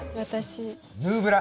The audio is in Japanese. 「ヌーブラ」。